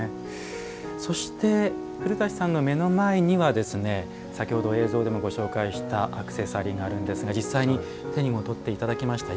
そして、古舘さんの目の前には先ほど映像でもご紹介したアクセサリーがあるんですが実際に手にも取っていただきました。